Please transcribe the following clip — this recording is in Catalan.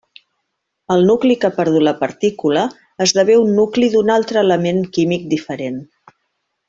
El nucli que ha perdut la partícula esdevé un nucli d'un altre element químic diferent.